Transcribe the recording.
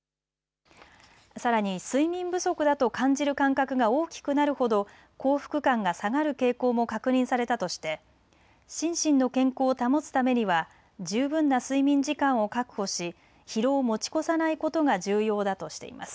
さらに睡眠不足だと感じる感覚が大きくなるほど幸福感が下がる傾向も確認されたとして心身の健康を保つためには十分な睡眠時間を確保し疲労を持ち越さないことが重要だとしています。